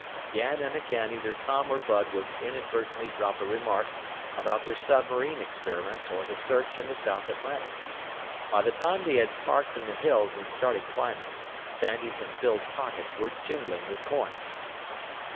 Again and again, either Tom or Bud would inadvertently drop a remark about their submarine experiments or the search in the South Atlantic. By the time they had parked in the hills and started climbing, Sandy's and Phyl's pockets were jingling with coins.